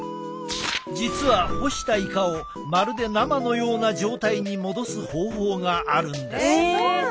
実は干したイカをまるで生のような状態に戻す方法があるんです。